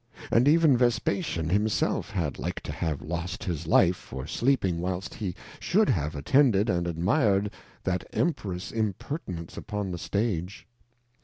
And even Vespasian himself had like to have lost his Life, for sleeping whilst he should have attended and admir'd that Emperours Impertinence upon the Stage.